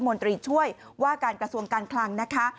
นตรีช่วยว่าการกระทรวงการคลังนะคะ